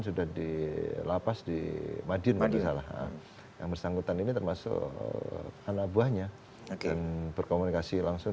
sudah di lapas di madin yang bersangkutan ini termasuk anak buahnya berkomunikasi langsung